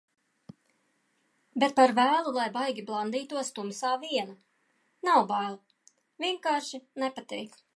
Bet par vēlu, lai baigi blandītos tumsā viena. Nav bail, vienkārši nepatīk.